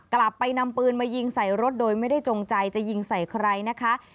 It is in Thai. กลับไปนำปืนมายิงใส่รถโดยไม่ได้จงใจจะยิงใส่ใครนะคะ